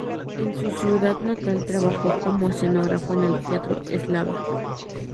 En su ciudad natal trabajó como escenógrafo en el Teatro Eslava.